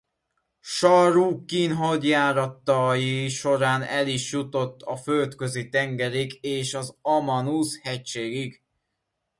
Sarrukín hadjáratai során el is jutott a Földközi-tengerig és az Amanus-hegységig.